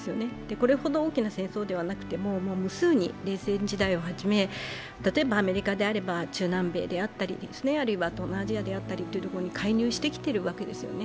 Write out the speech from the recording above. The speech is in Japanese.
これほど大きな戦争ではなくても、無数に、冷戦時代をはじめ例えばアメリカであれば中南米であったり東南アジアであったり介入してきているわけですよね。